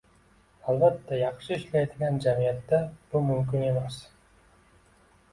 Albatta, yaxshi ishlaydigan jamiyatda bu mumkin emas